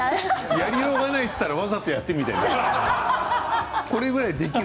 やりようがないと言ったらわざとやっている